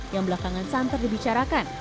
yang belakangan santar dibicarakan